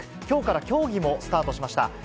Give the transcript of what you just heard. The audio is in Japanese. きょうから競技もスタートしました。